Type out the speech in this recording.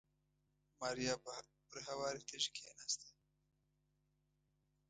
ماريا پر هوارې تيږې کېناسته.